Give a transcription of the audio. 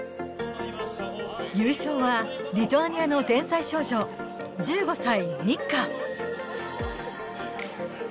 優勝はリトアニアの天才少女１５歳、Ｎｉｃｋａ。